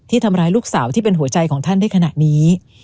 ทำร้ายลูกสาวที่เป็นหัวใจของท่านได้ขณะนี้